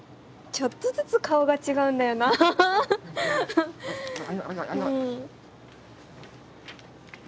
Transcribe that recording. ちょっとずつ違うんだよなあ。